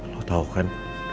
lo tau kan